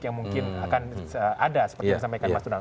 yang mungkin akan ada seperti yang disampaikan mas donald